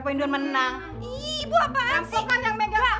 kok pas bayern temen temen dateng ke somo